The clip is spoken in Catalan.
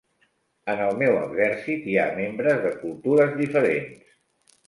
En el meu exèrcit hi ha membres de cultures diferents.